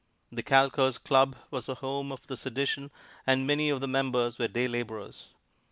The Calkers' Club was the home of the sedition, and many of the members were day laborers.